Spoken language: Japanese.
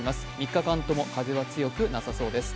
３日間とも、風は強くなさそうです。